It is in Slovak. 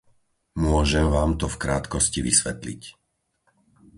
Môžem vám to v krátkosti vysvetliť.